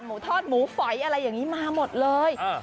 ทอดหมูฝอยอะไรอย่างนี้มาหมดเลย